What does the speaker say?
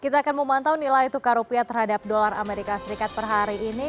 kita akan memantau nilai tukar rupiah terhadap dolar amerika serikat per hari ini